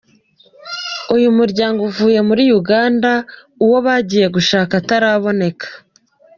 Uyu muryango uvuye muri Uganda uwo bagiye gushaka ataraboneka.